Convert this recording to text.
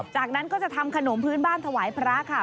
จากนั้นก็จะทำขนมพื้นบ้านถวายพระค่ะ